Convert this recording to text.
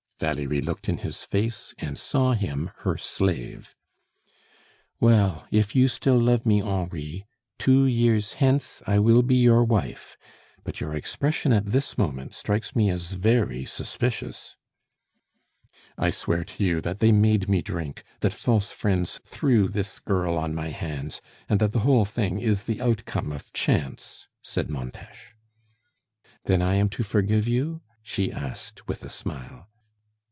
Valerie looked in his face, and saw him her slave. "Well, if you still love me, Henri, two years hence I will be your wife; but your expression at this moment strikes me as very suspicious." "I swear to you that they made me drink, that false friends threw this girl on my hands, and that the whole thing is the outcome of chance!" said Montes. "Then I am to forgive you?" she asked, with a smile.